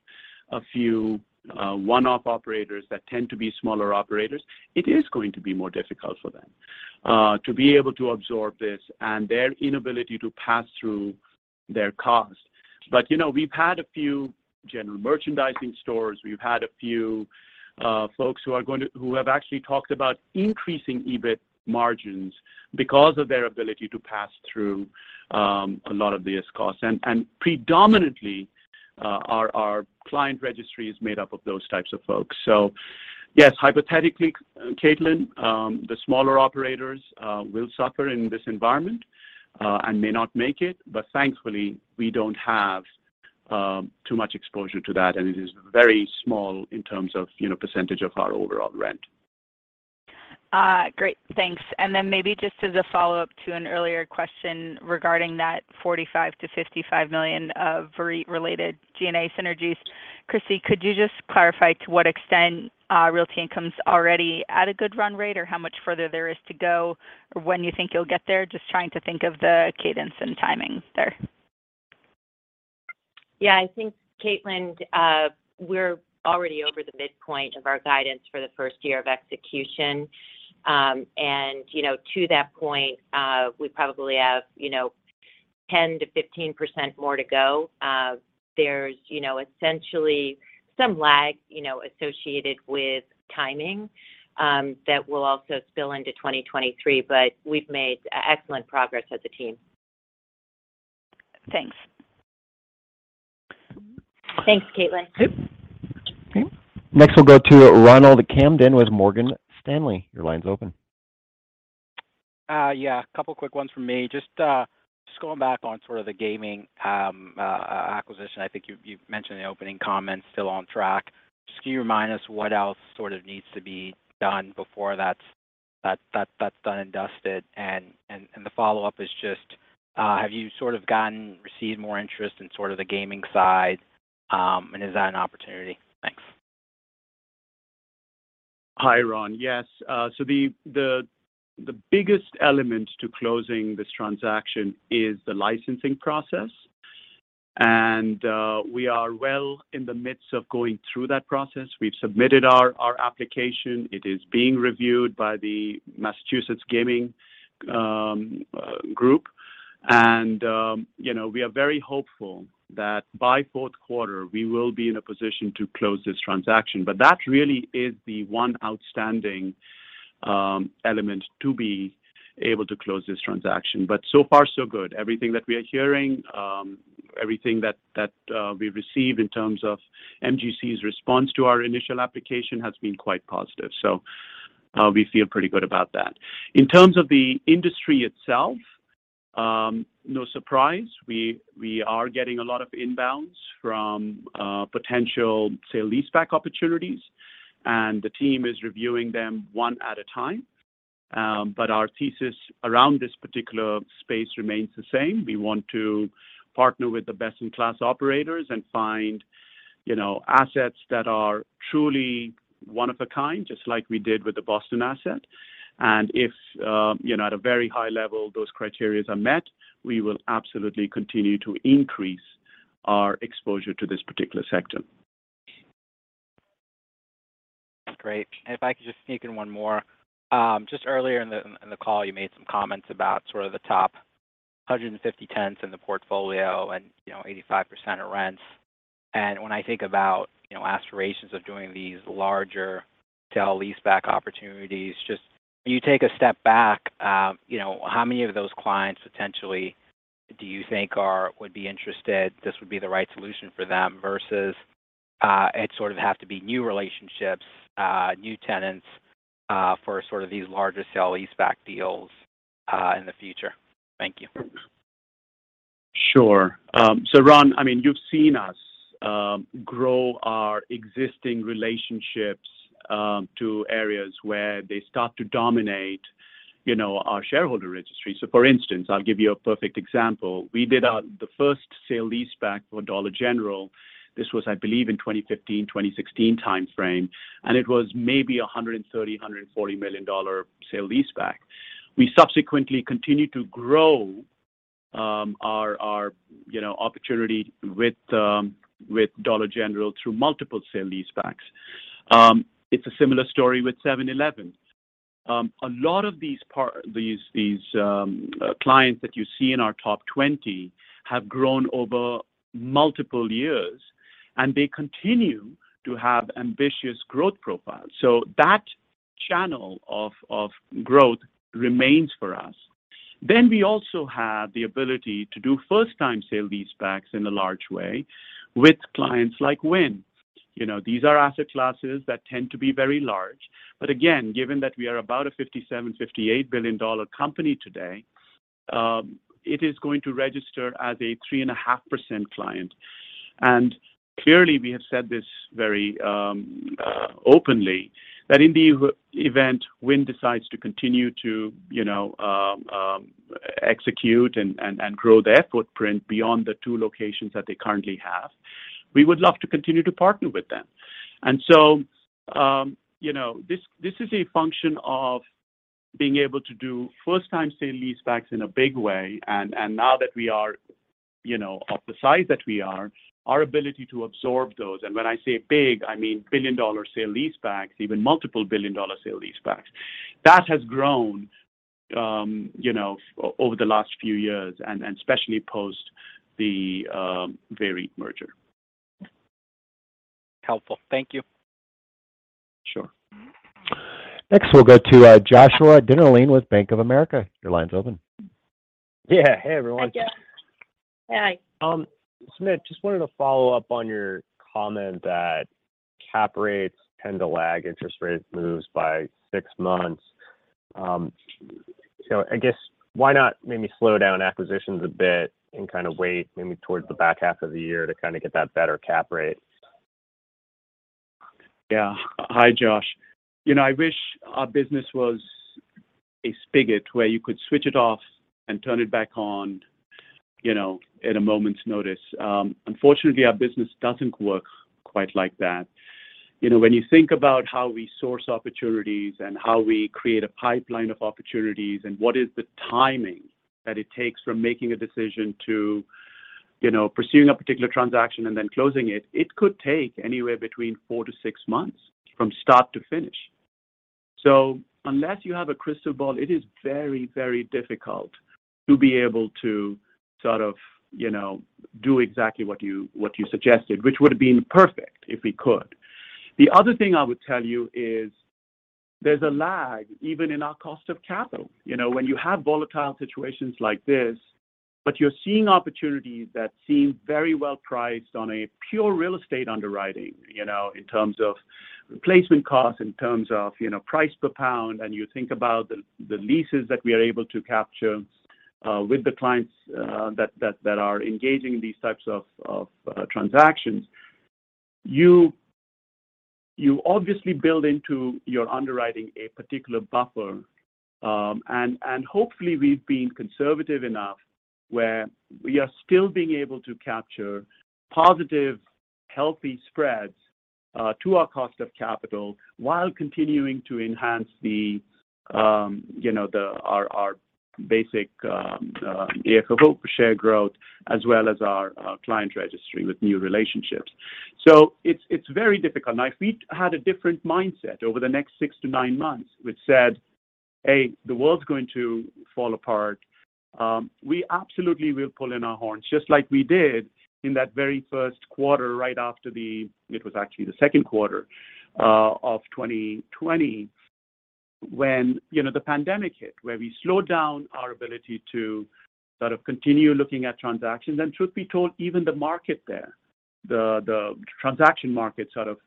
Speaker 3: a few one-off operators that tend to be smaller operators. It is going to be more difficult for them to be able to absorb this and their inability to pass through their cost. You know, we've had a few general merchandising stores. We've had a few folks who have actually talked about increasing EBIT margins because of their ability to pass through a lot of these costs. Predominantly, our client registry is made up of those types of folks. Yes, hypothetically, Caitlin, the smaller operators will suffer in this environment and may not make it. Thankfully, we don't have too much exposure to that, and it is very small in terms of, you know, percentage of our overall rent.
Speaker 10: Great. Thanks. Maybe just as a follow-up to an earlier question regarding that $45 million-$55 million of VEREIT-related G&A synergies. Christie, could you just clarify to what extent, Realty Income's already at a good run rate, or how much further there is to go, or when you think you'll get there? Just trying to think of the cadence and timing there.
Speaker 4: Yeah. I think, Caitlin, we're already over the midpoint of our guidance for the first year of execution. You know, to that point, we probably have, you know, 10%-15% more to go. There's, you know, essentially some lag, you know, associated with timing, that will also spill into 2023, but we've made excellent progress as a team.
Speaker 10: Thanks.
Speaker 4: Thanks, Caitlin.
Speaker 3: Okay.
Speaker 1: Okay. Next we'll go to Ronald Kamdem with Morgan Stanley. Your line's open.
Speaker 11: Yeah, a couple quick ones from me. Just going back on sort of the gaming acquisition. I think you mentioned in the opening comments, still on track. Just can you remind us what else sort of needs to be done before that's done and dusted? The follow-up is just, have you sort of received more interest in sort of the gaming side? And is that an opportunity? Thanks.
Speaker 3: Hi, Ron. Yes. The biggest element to closing this transaction is the licensing process. We are well in the midst of going through that process. We've submitted our application. It is being reviewed by the Massachusetts Gaming Commission. You know, we are very hopeful that by fourth quarter, we will be in a position to close this transaction. That really is the one outstanding element to be able to close this transaction. So far so good. Everything that we are hearing, everything that we receive in terms of MGC's response to our initial application has been quite positive. We feel pretty good about that. In terms of the industry itself, no surprise, we are getting a lot of inbounds from potential sale-leaseback opportunities, and the team is reviewing them one at a time. But our thesis around this particular space remains the same. We want to partner with the best-in-class operators and find, you know, assets that are truly one of a kind, just like we did with the Boston asset. If you know, at a very high level, those criteria are met, we will absolutely continue to increase our exposure to this particular sector.
Speaker 11: Great. If I could just sneak in one more. Just earlier in the call you made some comments about sort of the top 150 tenants in the portfolio and, you know, 85% of rents. When I think about, you know, aspirations of doing these larger sale-leaseback opportunities, just when you take a step back, you know, how many of those clients potentially do you think would be interested, this would be the right solution for them versus, it sort of have to be new relationships, new tenants, for sort of these larger sale-leaseback deals, in the future? Thank you.
Speaker 3: Sure. Ron, I mean, you've seen us grow our existing relationships to areas where they start to dominate, you know, our shareholder registry. For instance, I'll give you a perfect example. We did the first sale-leaseback for Dollar General. This was, I believe, in 2015, 2016 timeframe, and it was maybe $130-$140 million sale-leaseback. We subsequently continued to grow our opportunity with Dollar General through multiple sale-leasebacks. It's a similar story with 7-Eleven. A lot of these clients that you see in our top twenty have grown over multiple years, and they continue to have ambitious growth profiles. That channel of growth remains for us. We also have the ability to do first-time sale-leasebacks in a large way with clients like Wynn. You know, these are asset classes that tend to be very large. But again, given that we are about a $57-$58 billion company today, it is going to register as a 3.5% client. Clearly, we have said this very openly, that in the event Wynn decides to continue to, you know, execute and grow their footprint beyond the 2 locations that they currently have, we would love to continue to partner with them. You know, this is a function of being able to do first-time sale-leasebacks in a big way. Now that we are, you know, of the size that we are, our ability to absorb those, and when I say big, I mean billion-dollar sale-leasebacks, even multiple billion-dollar sale-leasebacks. That has grown, you know, over the last few years and especially post the VEREIT merger.
Speaker 11: Helpful. Thank you.
Speaker 3: Sure.
Speaker 1: Next, we'll go to Joshua Dennerlein with Bank of America. Your line's open.
Speaker 12: Yeah. Hey, everyone.
Speaker 3: Hi, Josh.
Speaker 11: Hi.
Speaker 12: Sumit, just wanted to follow up on your comment that cap rates tend to lag interest rate moves by six months. I guess why not maybe slow down acquisitions a bit and kind of wait maybe towards the back half of the year to kinda get that better cap rate?
Speaker 3: Yeah. Hi, Josh. You know, I wish our business was a spigot where you could switch it off and turn it back on, you know, at a moment's notice. Unfortunately, our business doesn't work quite like that. You know, when you think about how we source opportunities and how we create a pipeline of opportunities and what is the timing that it takes from making a decision to, you know, pursuing a particular transaction and then closing it could take anywhere between 4-6 months from start to finish. Unless you have a crystal ball, it is very, very difficult to be able to sort of, you know, do exactly what you suggested, which would have been perfect if we could. The other thing I would tell you is there's a lag even in our cost of capital. You know, when you have volatile situations like this, but you're seeing opportunities that seem very well priced on a pure real estate underwriting, you know, in terms of replacement costs, in terms of, you know, price per pound, and you think about the leases that we are able to capture with the clients that are engaging in these types of transactions. You obviously build into your underwriting a particular buffer, and hopefully we've been conservative enough where we are still being able to capture positive, healthy spreads to our cost of capital while continuing to enhance our basic AFFO per share growth as well as our client registry with new relationships. It's very difficult. Now, if we had a different mindset over the next 6-9 months, which said, "Hey, the world's going to fall apart," we absolutely will pull in our horns just like we did in that very first quarter. It was actually the second quarter of 2020 when, you know, the pandemic hit, where we slowed down our ability to sort of continue looking at transactions. Truth be told, even the market there, the transaction market sort of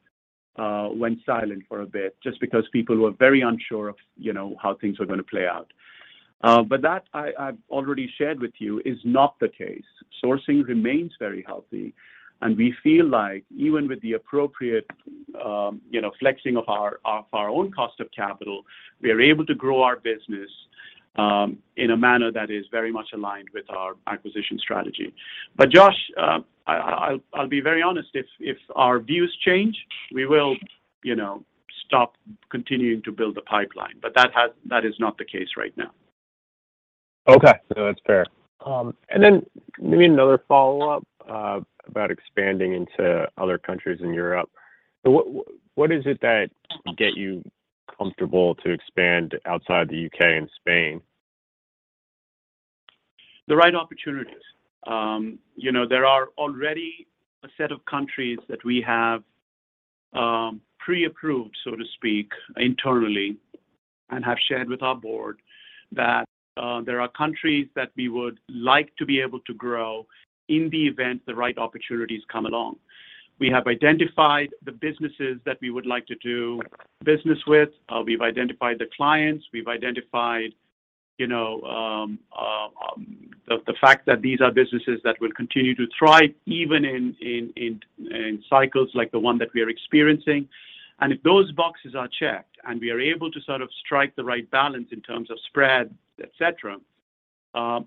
Speaker 3: went silent for a bit just because people were very unsure of, you know, how things were gonna play out. That I've already shared with you is not the case. Sourcing remains very healthy, and we feel like even with the appropriate, you know, flexing of our own cost of capital, we are able to grow our business in a manner that is very much aligned with our acquisition strategy. Josh, I'll be very honest, if our views change, we will, you know, stop continuing to build the pipeline. That is not the case right now.
Speaker 12: Okay. No, that's fair. Maybe another follow-up about expanding into other countries in Europe. What is it that get you comfortable to expand outside the UK and Spain?
Speaker 3: The right opportunities. You know, there are already a set of countries that we have pre-approved, so to speak, internally and have shared with our board that there are countries that we would like to be able to grow in the event the right opportunities come along. We have identified the businesses that we would like to do business with. We've identified the clients. We've identified, you know, the fact that these are businesses that will continue to thrive even in cycles like the one that we are experiencing. If those boxes are checked, and we are able to sort of strike the right balance in terms of spread, et cetera,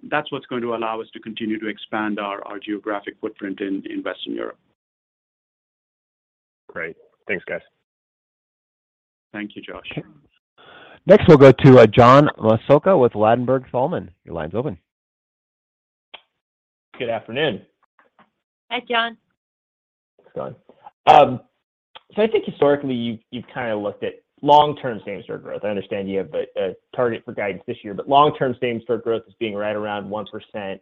Speaker 3: that's what's going to allow us to continue to expand our geographic footprint in Western Europe.
Speaker 12: Great. Thanks, guys.
Speaker 3: Thank you, Josh.
Speaker 1: Next, we'll go to John Massocca with Ladenburg Thalmann. Your line's open.
Speaker 13: Good afternoon.
Speaker 3: Hi, John.
Speaker 13: Thanks, Don. So I think historically, you've kinda looked at long-term same store growth. I understand you have a target for guidance this year, but long-term same store growth is being right around 1%.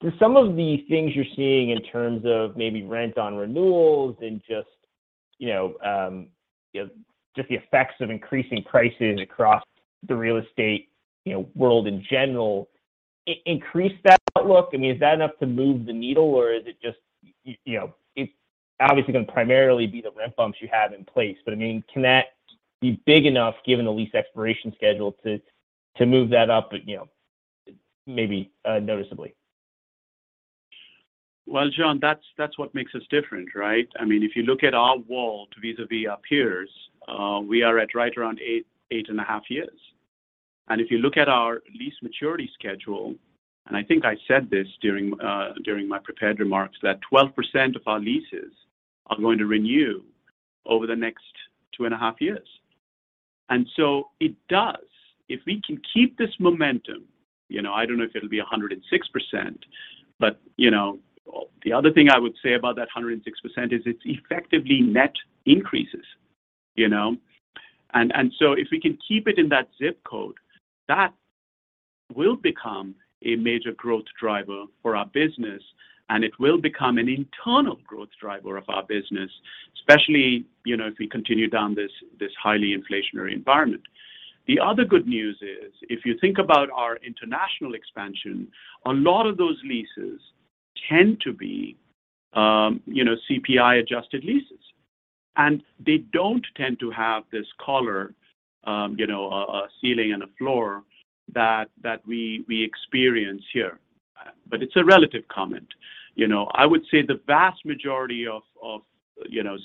Speaker 13: Do some of the things you're seeing in terms of maybe rent on renewals and just, you know, just the effects of increasing prices across the real estate, you know, world in general increase that outlook? I mean, is that enough to move the needle, or is it just, you know? It's obviously gonna primarily be the rent bumps you have in place. I mean, can that be big enough given the lease expiration schedule to move that up, you know, maybe noticeably?
Speaker 3: Well, John, that's what makes us different, right? I mean, if you look at our WALT vis-à-vis our peers, we are at right around 8.5 years. If you look at our lease maturity schedule, I think I said this during my prepared remarks, that 12% of our leases are going to renew over the next 2.5 years. It does. If we can keep this momentum, you know, I don't know if it'll be 106%, but, you know, the other thing I would say about that 106% is it's effectively net increases, you know. If we can keep it in that zip code, that will become a major growth driver for our business, and it will become an internal growth driver of our business, especially if we continue down this highly inflationary environment. The other good news is if you think about our international expansion, a lot of those leases tend to be CPI-adjusted leases. They don't tend to have this collar, a ceiling and a floor that we experience here. It's a relative comment. I would say the vast majority of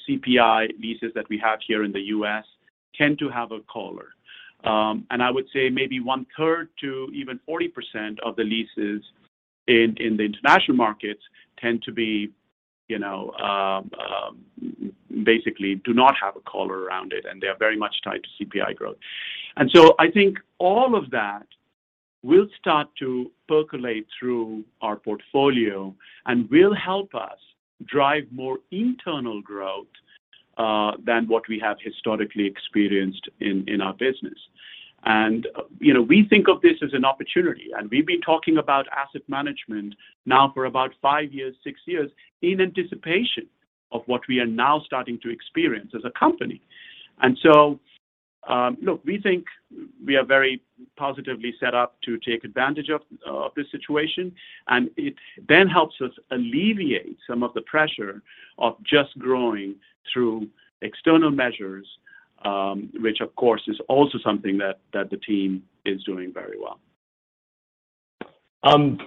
Speaker 3: CPI leases that we have here in the U.S. tend to have a collar. I would say maybe one-third to even 40% of the leases in the international markets tend to be, you know, basically do not have a collar around it, and they are very much tied to CPI growth. I think all of that will start to percolate through our portfolio and will help us drive more internal growth than what we have historically experienced in our business. You know, we think of this as an opportunity, and we've been talking about asset management now for about five years, six years in anticipation of what we are now starting to experience as a company. Look, we think we are very positively set up to take advantage of this situation. It then helps us alleviate some of the pressure of just growing through external measures, which of course is also something that the team is doing very well.
Speaker 13: On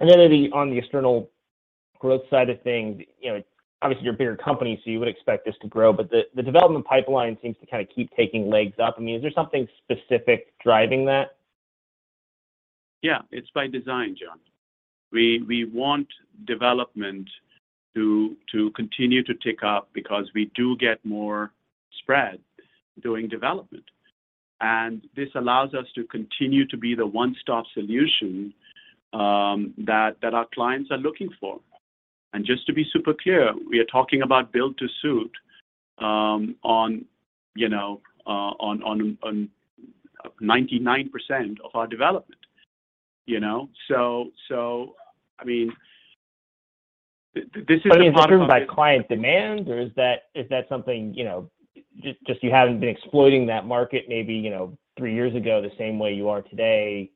Speaker 13: the external growth side of things, you know, obviously you're a bigger company, so you would expect this to grow, but the development pipeline seems to kind of keep taking legs up. I mean, is there something specific driving that?
Speaker 3: Yeah. It's by design, John. We want development to continue to tick up because we do get more spread doing development. This allows us to continue to be the one-stop solution that our clients are looking for. Just to be super clear, we are talking about build-to-suit on 99% of our development, you know? I mean, this is.
Speaker 13: I mean, is that driven by client demand, or is that something, you know, just you haven't been exploiting that market maybe, you know, three years ago the same way you are today?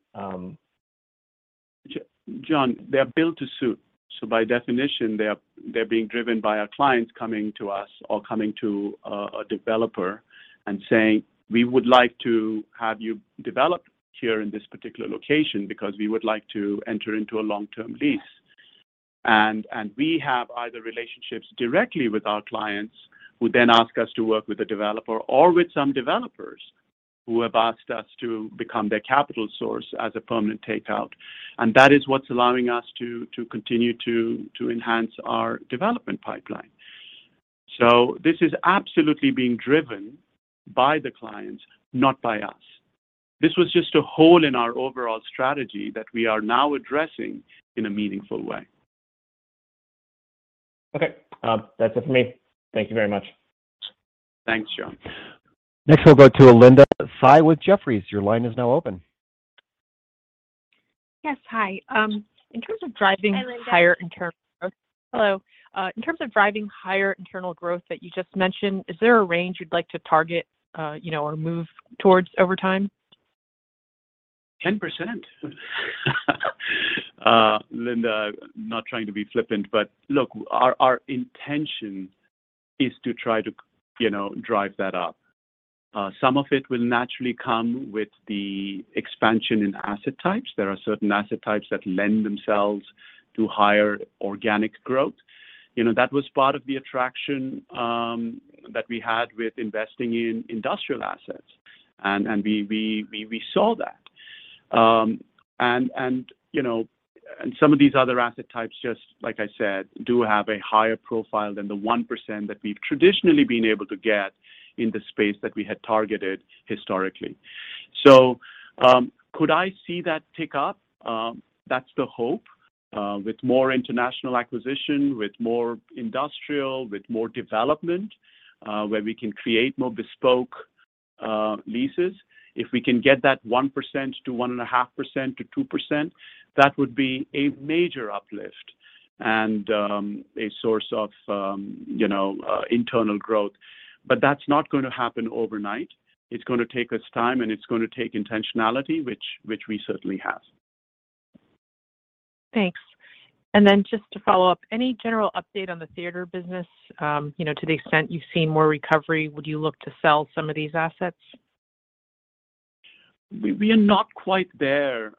Speaker 3: John, they're built to suit. By definition, they are, they're being driven by our clients coming to us or coming to a developer and saying, "We would like to have you develop here in this particular location because we would like to enter into a long-term lease." We have either relationships directly with our clients who then ask us to work with a developer or with some developers who have asked us to become their capital source as a permanent takeout. That is what's allowing us to continue to enhance our development pipeline. This is absolutely being driven by the clients, not by us. This was just a hole in our overall strategy that we are now addressing in a meaningful way.
Speaker 13: Okay. That's it for me. Thank you very much.
Speaker 3: Thanks, John.
Speaker 1: Next, we'll go to Linda Tsai with Jefferies. Your line is now open.
Speaker 14: Yes. Hi. In terms of driving.
Speaker 2: Hi, Linda.
Speaker 14: Hello. In terms of driving higher internal growth that you just mentioned, is there a range you'd like to target, you know, or move towards over time?
Speaker 3: 10%. Linda, not trying to be flippant, but look, our intention is to try to, you know, drive that up. Some of it will naturally come with the expansion in asset types. There are certain asset types that lend themselves to higher organic growth. You know, that was part of the attraction that we had with investing in industrial assets. We saw that. You know, some of these other asset types, just like I said, do have a higher profile than the 1% that we've traditionally been able to get in the space that we had targeted historically. Could I see that tick up? That's the hope. With more international acquisition, with more industrial, with more development, where we can create more bespoke leases. If we can get that 1%-1.5%-2%, that would be a major uplift and a source of you know internal growth. That's not gonna happen overnight. It's gonna take us time, and it's gonna take intentionality, which we certainly have.
Speaker 14: Thanks. Just to follow up, any general update on the theater business? You know, to the extent you've seen more recovery, would you look to sell some of these assets?
Speaker 3: We are not quite there,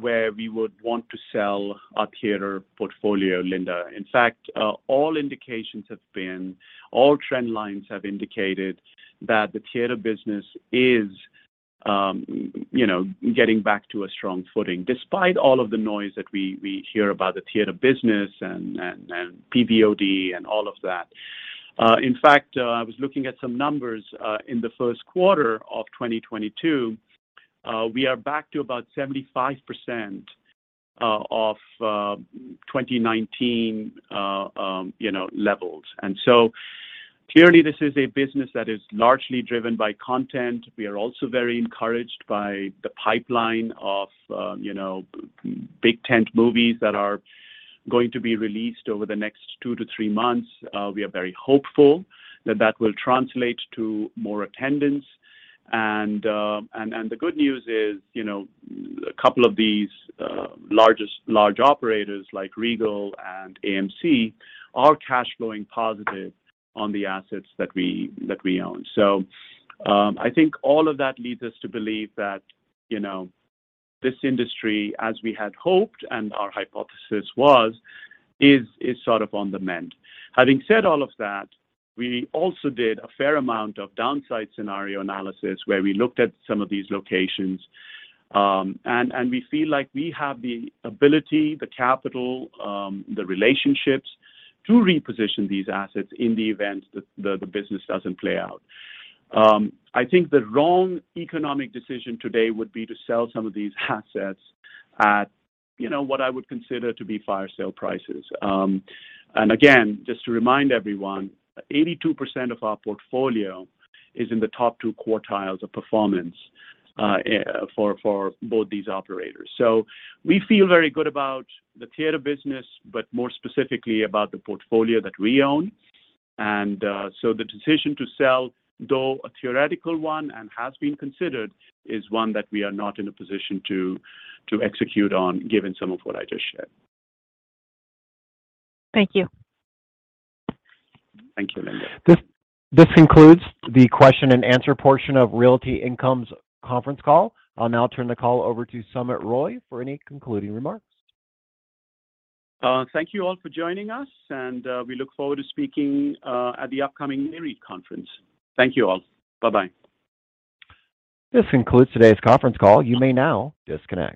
Speaker 3: where we would want to sell our theater portfolio, Linda. In fact, all indications have been, all trend lines have indicated that the theater business is, you know, getting back to a strong footing despite all of the noise that we hear about the theater business and PVOD and all of that. In fact, I was looking at some numbers in the first quarter of 2022. We are back to about 75% of 2019 levels, you know. Clearly this is a business that is largely driven by content. We are also very encouraged by the pipeline of, you know, big tent movies that are going to be released over the next two to three months. We are very hopeful that that will translate to more attendance. The good news is, you know, a couple of these large operators like Regal and AMC are cash flowing positive on the assets that we own. I think all of that leads us to believe that, you know, this industry, as we had hoped and our hypothesis was, is sort of on the mend. Having said all of that, we also did a fair amount of downside scenario analysis where we looked at some of these locations. We feel like we have the ability, the capital, the relationships to reposition these assets in the event that the business doesn't play out. I think the wrong economic decision today would be to sell some of these assets at, you know, what I would consider to be fire sale prices. Again, just to remind everyone, 82% of our portfolio is in the top two quartiles of performance for both these operators. We feel very good about the theater business, but more specifically about the portfolio that we own. The decision to sell, though a theoretical one and has been considered, is one that we are not in a position to execute on given some of what I just shared.
Speaker 14: Thank you.
Speaker 3: Thank you, Linda.
Speaker 1: This concludes the question and answer portion of Realty Income's conference call. I'll now turn the call over to Sumit Roy for any concluding remarks.
Speaker 3: Thank you all for joining us, and we look forward to speaking at the upcoming Nareit conference. Thank you all. Bye-bye.
Speaker 1: This concludes today's conference call. You may now disconnect.